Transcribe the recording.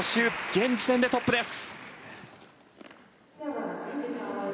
現時点でトップです。